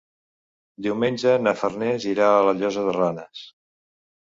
Diumenge na Farners irà a la Llosa de Ranes.